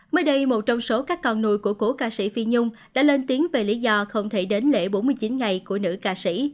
mới đây một trong số các con nuôi của cố ca sĩ phi nhung đã lên tiếng về lý do không thể đến lễ bốn mươi chín ngày của nữ ca sĩ